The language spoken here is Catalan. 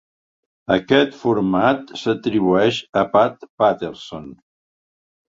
Aquest format s'atribueix a Pat Patterson.